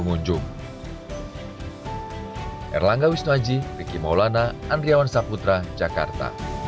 tujuannya tentu agar pasar tidak semakin terlupakan dan ditinggalkan pengunjung